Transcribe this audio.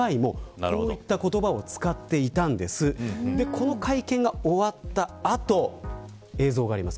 この会見が終わった後映像があります。